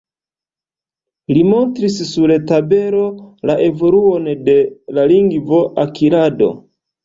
Li montris sur tabelo la evoluon de la lingvo akirado.